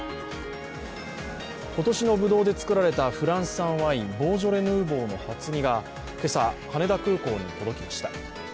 今年のぶどうで作られたフランス産ワインボージョレ・ヌーボーの初荷が今朝、羽田空港に届きました。